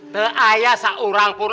tak ada seorang pun